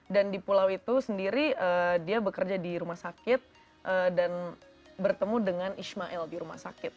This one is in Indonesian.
dan di pulau itu sendiri dia bekerja di rumah sakit dan bertemu dengan ismael di rumah sakit